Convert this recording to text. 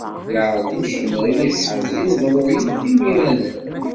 Yeɛreḍ ucennay ad iḥaz ineḍruyen imiranen.